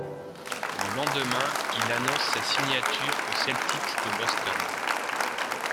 Le lendemain, il annonce sa signature aux Celtics de Boston.